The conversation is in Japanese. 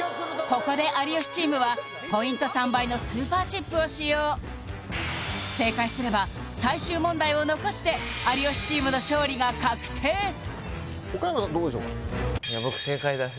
ここで有吉チームはポイント３倍のスーパーチップを使用正解すれば最終問題を残して有吉チームの勝利が確定何で？